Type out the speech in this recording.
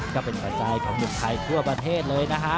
ก็เป็นหัวใจของหนุ่มไทยทั่วประเทศเลยนะฮะ